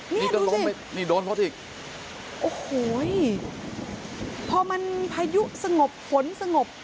นี่นี่ก็ล้มนี่โดนรถอีกโอ้โหพอมันพายุสงบฝนสงบ